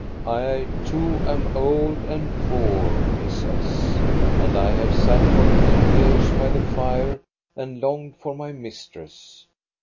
" I, too, am old and poor," he says, " and I have sat for ten years by the fire and longed for my mis tress.